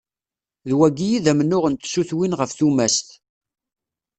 D wagi i d amennuɣ n tsutwin ɣef tumast.